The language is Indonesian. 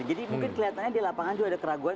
jadi mungkin kelihatannya di lapangan juga ada keraguan